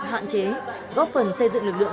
hạn chế góp phần xây dựng lực lượng